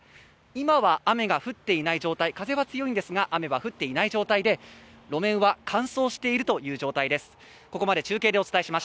今は雨が降っていない状態、風は強いんですが、雨は降っていない状態で、路面は乾燥しているという状態です。